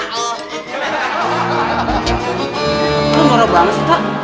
lu norak banget sih kak